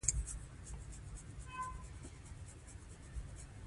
د نجونو تعليم د کورنيو ترمنځ همغږي زياتوي.